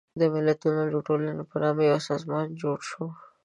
د ملتونو د ټولنې په نامه یو سازمان جوړ شو.